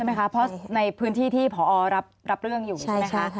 ไหมคะเพราะในพื้นที่ที่พอรับเรื่องอยู่ใช่ไหมคะ